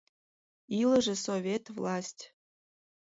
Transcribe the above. ИЛЫЖЕ СОВЕТ ВЛАСТЬ!